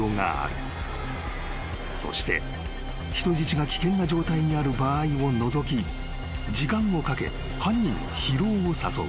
［そして人質が危険な状態にある場合を除き時間をかけ犯人の疲労を誘う］